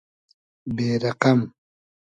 بې رئقئم